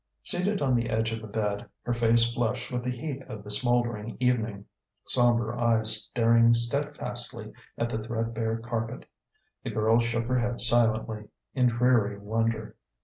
Seated on the edge of the bed, her face flushed with the heat of the smouldering evening, sombre eyes staring steadfastly at the threadbare carpet, the girl shook her head silently, in dreary wonder.